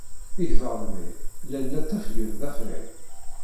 Igḍaḍ-nni llan la ttafgen d afrag.